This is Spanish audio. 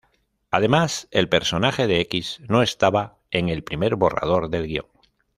Además, el personaje de X no estaba en el primer borrador del guion.